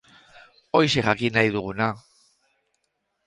Horixe jakin nahi duguna.